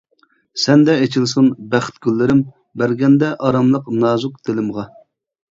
سەندە ئىچىلسۇن بەخت گۈللىرىم، بەرگەندە ئاراملىق نازۇك دىلىمغا.